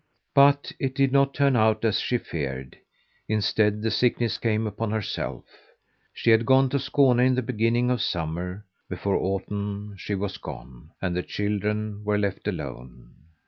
But it did not turn out as she feared. Instead, the sickness came upon herself. She had gone to Skane in the beginning of summer; before autumn she was gone, and the children were left alone.